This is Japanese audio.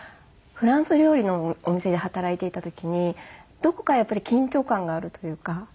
フランス料理のお店で働いていた時にどこかやっぱり緊張感があるというか。